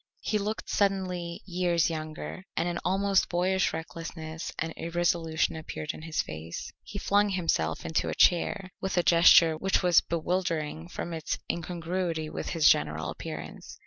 He looked suddenly years younger, and an almost boyish recklessness and irresolution appeared in his face. He flung himself into a chair with a gesture which was bewildering from its incongruity with his general appearance.